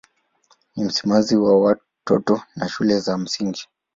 Ni msimamizi wa watoto na wa shule za msingi.